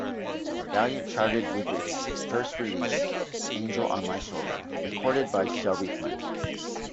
Valiant charted with its first release, "Angel On My Shoulder" recorded by Shelby Flint.